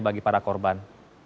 bagi para korban